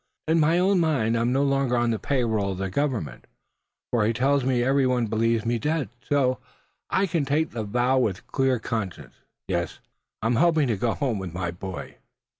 In my own mind I'm no longer on the pay roll of the Government, for he tells me every one believes me dead; so I can take the vow with a clear conscience. Yes, I'm hoping to go home with my boy."